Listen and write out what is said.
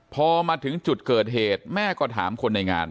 พอมาถึงจุดเกิดเหตุแม่ก็ถามคนในงาน